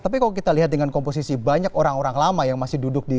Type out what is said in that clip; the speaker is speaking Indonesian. tapi kalau kita lihat dengan komposisi banyak orang orang lama yang masih duduk di